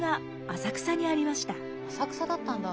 浅草だったんだ。